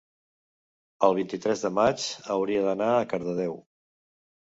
el vint-i-tres de maig hauria d'anar a Cardedeu.